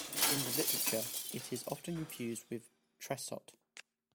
In the literature, it is often confused with Tressot.